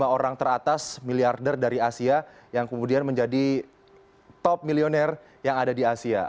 lima orang teratas miliarder dari asia yang kemudian menjadi top milioner yang ada di asia